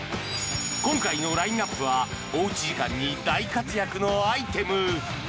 今回のラインナップはおうち時間に大活躍のアイテム